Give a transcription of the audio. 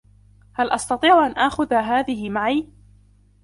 هل أستطيع أن آخذ هذهِ معي؟